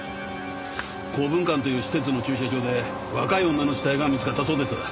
港文館という施設の駐車場で若い女の死体が見つかったそうです。